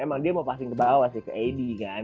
emang dia mau passing ke bawah sih ke ed kan